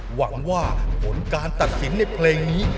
หวังว่าผลการตัดสินในเพลงนี้